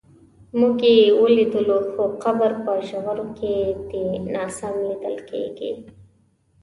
موږ یې ولیدلو خو قبر په ژورو کې دی سم نه لیدل کېږي.